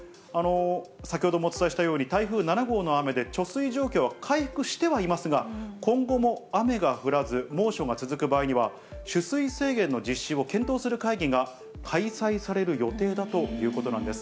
先ほどもお伝えしたように、台風７号の雨で貯水状況は回復してはいますが、今後も雨が降らず、猛暑が続く場合には、取水制限の実施を検討する会議が開催される予定だということなんです。